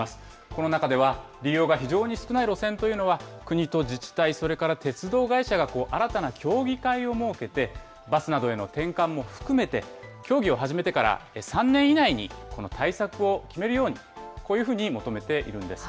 この中では、利用が非常に少ない路線というのは、国と自治体、それから鉄道会社が新たな協議会を設けて、バスなどへの転換も含めて、協議を始めてから３年以内に、この対策を決めるように、こういうふうに求めているんです。